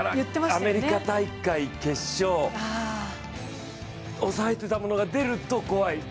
アメリカ大会決勝、抑えていたものが出ると怖い。